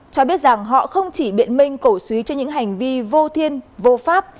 cho biết rằng họ không chỉ biện minh cổ suý cho những hành vi vô thiên vô pháp